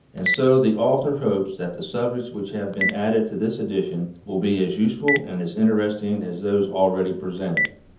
And so the author hopes that the subjects which have been added to this edition will be as useful and as inter esting as those already presented.